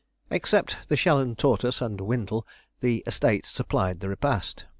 Except the 'Shell and Tortoise' and 'Wintle,' the estate supplied the repast.